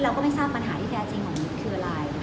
แล้วเราก็ไม่ทราบปัญหาที่แฟร์จริงของยุทธ์คืออะไร